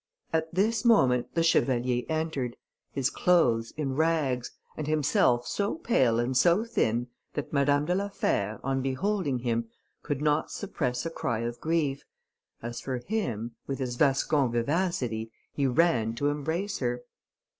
At this moment the chevalier entered, his clothes in rags, and himself so pale and so thin, that Madame de la Fère, on beholding him, could not suppress a cry of grief; as for him, with his Gascon vivacity, he ran to embrace her.